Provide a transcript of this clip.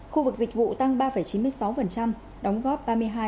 khu vực dịch vụ tăng ba chín mươi sáu đóng góp ba mươi hai bảy mươi tám